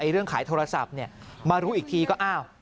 เรื่องขายโทรศัพท์มารู้อีกทีก็อ้าว